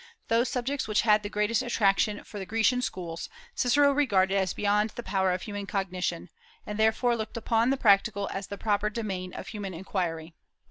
Those subjects which had the greatest attraction for the Grecian schools Cicero regarded as beyond the power of human cognition, and therefore looked upon the practical as the proper domain of human inquiry.